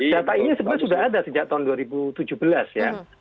data ini sebenarnya sudah ada sejak tahun dua ribu tujuh belas ya